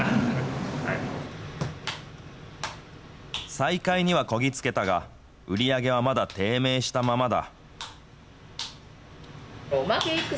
再開にはこぎ着けたが、売り上げはまだ低迷したままだ。